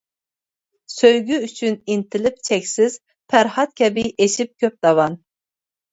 سۆيگۈ ئۈچۈن ئىنتىلىپ چەكسىز، پەرھات كەبى ئېشىپ كۆپ داۋان.